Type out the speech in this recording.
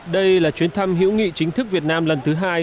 đây là chuyến thăm hữu nghị chính thức việt nam lần thứ hai